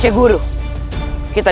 kita harus lebih waspada